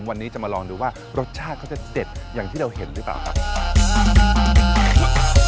วันนี้จะมาลองดูว่ารสชาติเขาจะเด็ดอย่างที่เราเห็นหรือเปล่าครับ